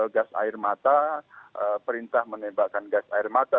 gas air mata perintah menembakkan gas air mata